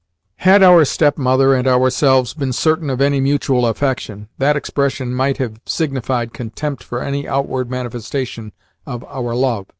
Had our stepmother and ourselves been certain of any mutual affection, that expression might have signified contempt for any outward manifestation of our love.